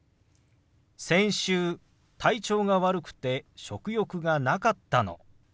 先週体調が悪くて食欲がなかったの。